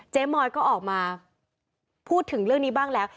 มอยก็ออกมาพูดถึงเรื่องนี้บ้างแล้ว